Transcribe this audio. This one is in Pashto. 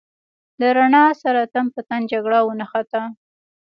له رڼا سره تن په تن جګړه ونښته.